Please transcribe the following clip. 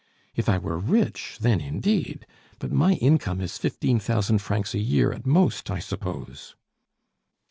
If I were rich, then indeed; but my income is fifteen thousand francs a year at most, I suppose."